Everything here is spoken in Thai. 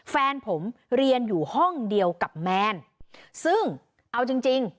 แฟนผมเรียนอยู่ห้องเดียวกับแมนซึ่งเอาจริงจริง